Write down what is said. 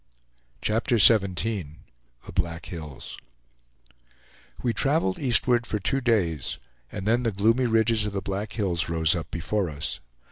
CHAPTER XVII THE BLACK HILLS We traveled eastward for two days, and then the gloomy ridges of the Black Hills rose up before us.